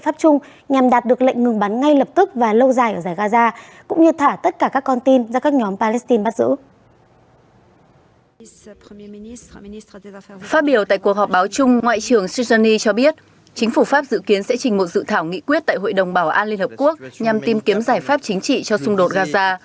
phát biểu tại cuộc họp báo chung ngoại trưởng sujani cho biết chính phủ pháp dự kiến sẽ trình một dự thảo nghị quyết tại hội đồng bảo an liên hợp quốc nhằm tìm kiếm giải pháp chính trị cho xung đột gaza